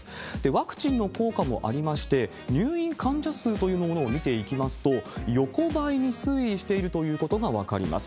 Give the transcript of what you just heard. ワクチンの効果もありまして、入院患者数というものを見ていきますと、横ばいに推移しているということが分かります。